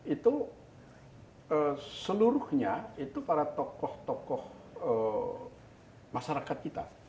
itu seluruhnya itu para tokoh tokoh masyarakat kita